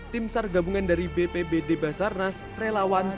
tim sar gabungan dari bpbd basarnas relawan tni polri